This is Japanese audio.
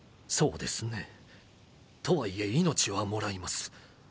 そうですねとはいえ命はもらいます。